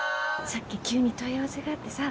さっき急に問い合わせがあってさ